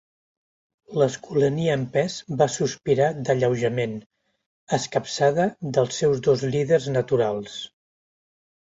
L'Escolania en pes va sospirar d'alleujament, escapçada dels seus dos líders naturals.